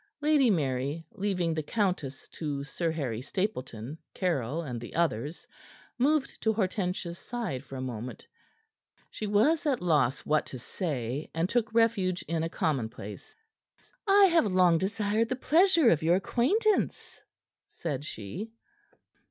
Lady Mary, leaving the countess to Sir Harry Stapleton, Caryll and the others, moved to Hortensia's side for a moment she was at loss what to say, and took refuge in a commonplace. "I have long desired the pleasure of your acquaintance," said she.